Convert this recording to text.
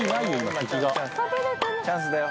チャンスだよ。